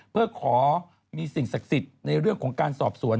เพื่อขอมีสิ่งศักดิ์สิทธิ์ในเรื่องของการสอบสวน